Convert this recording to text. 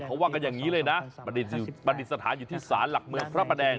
เขาว่ากันอย่างนี้เลยนะประดิษฐานอยู่ที่ศาลหลักเมืองพระประแดง